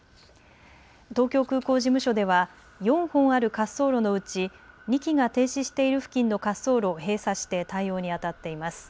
東京空港事務所では４本ある滑走路のうち２機が停止している付近の滑走路を閉鎖して対応にあたっています。